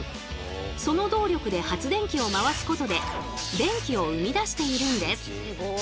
その動力で発電機をまわすことで電気を生み出しているんです。